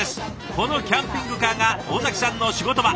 このキャンピングカーが尾崎さんの仕事場。